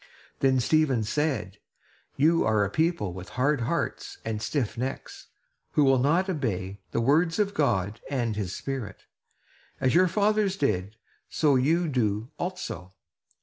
Then Stephen said: "You are a people with hard hearts and stiff necks, who will not obey the words of God and his Spirit. As your fathers did, so you do, also.